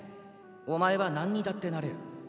お前は何にだってなれる。